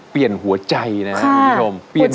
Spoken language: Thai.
เปลี่ยนหัวใจนะครับคุณผู้ชม